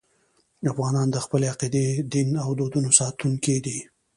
افغان د خپلې عقیدې، دین او دودونو ساتونکی دی.